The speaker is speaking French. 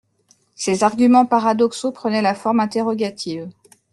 Ses arguments paradoxaux prenaient la forme interrogative.